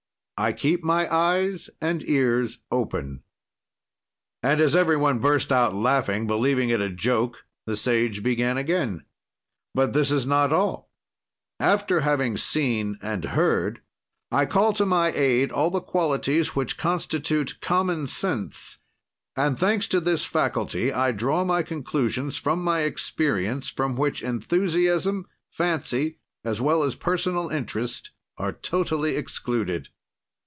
"'I keep my eyes and ears open.' "And as every one burst out laughing, believing it a joke, the sage began again: "'But this is not all; after having seen and heard, I call to my aid all the qualities which constitute common sense and, thanks to this faculty, I draw my conclusions from my experience, from which enthusiasm, fancy, as well as personal interest are totally excluded.